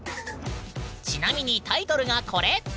ちなみにタイトルがこれ！